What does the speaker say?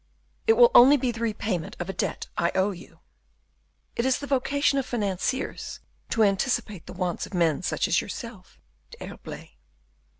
"It will only be the repayment of a debt I owe you." "It is the vocation of financiers to anticipate the wants of men such as yourself, D'Herblay."